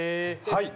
「はい！」。